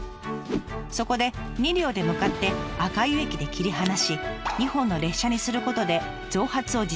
そこで２両で向かって赤湯駅で切り離し２本の列車にすることで増発を実現しました。